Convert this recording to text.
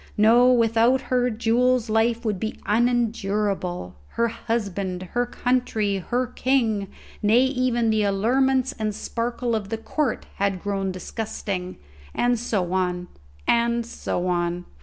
No; without her Jules life would be unendurable; her husband, her country, her king, nay, even the allurements and sparkle of the court, had grown disgusting; and so on, and so on.